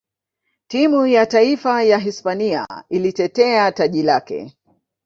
timu ya taifa ya hispania ilitetea taji lake